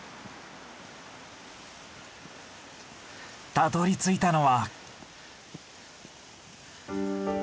たどりついたのは。